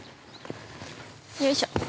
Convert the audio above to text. よいしょ。